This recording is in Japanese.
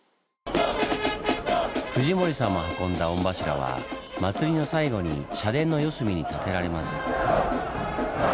藤森さんも運んだ御柱は祭りの最後に社殿の四隅に立てられます。